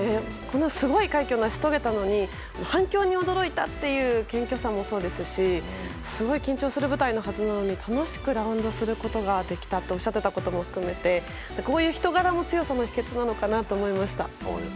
このすごい快挙を成し遂げたのに反響に驚いたという謙虚さもそうですしすごい緊張する舞台のはずなのに楽しくラウンドすることができたとおっしゃっていたことも含めてこういう人柄も強さの秘訣なのかなと思いました。